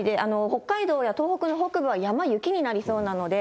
北海道や東北の北部は、山、雪になりそうなので。